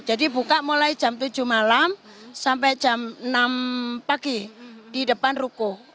jadi buka mulai jam tujuh malam sampai jam enam pagi di depan ruko